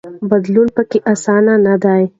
بدلون پکې اسانه نه دی.